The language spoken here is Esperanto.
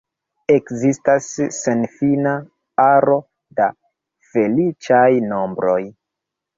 Ekzistas senfina aro da feliĉaj nombroj.